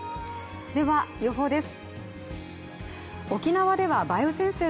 では、予報です。